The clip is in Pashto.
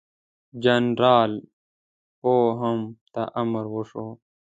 جنرال پوفم ته امر وشو.